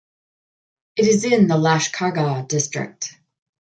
It is in the Lashkargah District.